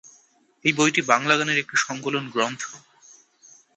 এই বইটি বাংলা গানের একটি সংকলন গ্রন্থ।